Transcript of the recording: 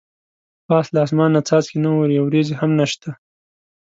پاس له اسمان نه څاڅکي نه اوري ورېځې هم نشته.